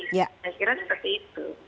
saya kira seperti itu